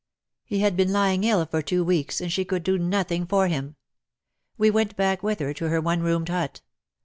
He had been lying ill for two weeks, and she could do nothing for him. We went back with her to her one roomed hut.